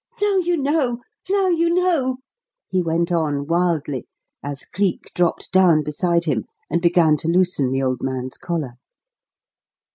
"Now you know! Now you know!" he went on wildly, as Cleek dropped down beside him and began to loosen the old man's collar.